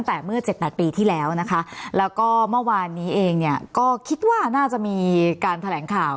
แต่เมื่อ๗๘ปีที่แล้วนะคะแล้วก็เมื่อวานนี้เองเนี่ยก็คิดว่าน่าจะมีการแถลงข่าว